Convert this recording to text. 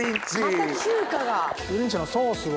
また中華が。